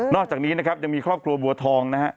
นอกจากนี้ยังมีครอบครัวบัวทองนะครับ